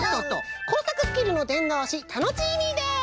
こうさくスキルのでんどうしタノチーミーです！